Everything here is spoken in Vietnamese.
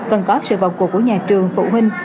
cần có sự vào cuộc của nhà trường phụ huynh